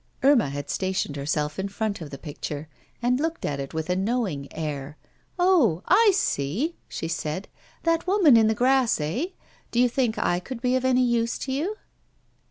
Irma had stationed herself in front of the picture, and looked at it with a knowing air. 'Oh! I see,' she said, 'that woman in the grass, eh? Do you think I could be of any use to you?